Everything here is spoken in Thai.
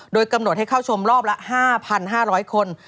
โดยกำหนดให้เข้าชมรอบละ๕๕๐๐คน